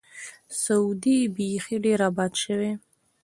سعودي بیخي ډېر آباد شوی.